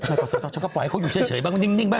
กษัตริย์ศาสตร์ก็ปล่อยให้เขาอยู่เฉยบ้างนิ่งบ้าง